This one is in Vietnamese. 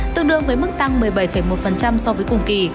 tương đương với mức tăng một mươi bảy một so với cùng kỳ